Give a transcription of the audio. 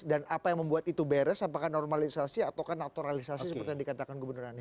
dan apa yang membuat itu beres apakah normalisasi atau naturalisasi seperti yang dikatakan gubernur anies